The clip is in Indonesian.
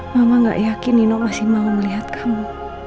mama gak yakin nino masih mau melihat kamu